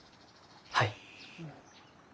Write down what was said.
はい。